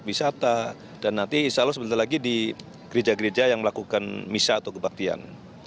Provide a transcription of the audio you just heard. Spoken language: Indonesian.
wilam nasution di bandung jawa barat